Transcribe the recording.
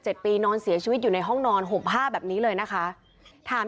ปีนอนเสียชีวิตอยู่ในห้องนอนหกห้าแบบนี้เลยนะคะถาม